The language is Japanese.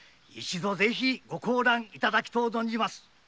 一度ぜひご高覧いただきとう存じまする。